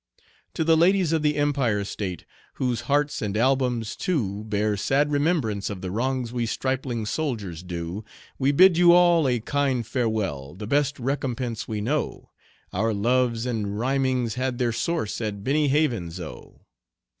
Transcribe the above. To the ladies of the Empire State, whose hearts and albums too Bear sad remembrance of the wrongs we stripling soldiers do, We bid you all a kind farewell, the best recompense we know Our loves and rhymings had their source at Benny Havens' O.